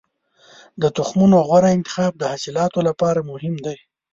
د تخمونو غوره انتخاب د حاصلاتو لپاره مهم دی.